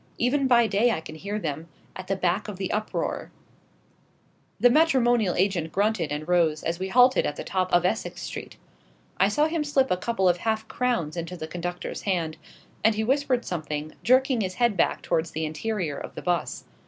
Even by day I can hear them, at the back of the uproar " The matrimonial agent grunted and rose, as we halted at the top of Essex Street. I saw him slip a couple of half crowns into the conductor's hand: and he whispered something, jerking his head back towards the interior of the 'bus.